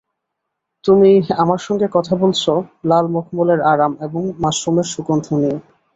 তুমি, আমার সঙ্গে কথা বলছ লাল মখমলের আরাম এবং মাশরুমের সুগন্ধ নিয়ে।